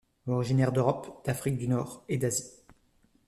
Originaire d’Europe, d’Afrique du Nord et d’Asie.